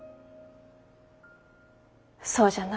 そうじゃな。